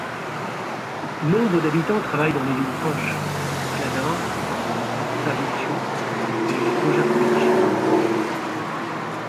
Nombre d'habitants travaillent dans les villes proches, Kladanj, Stariču et Gojakovići.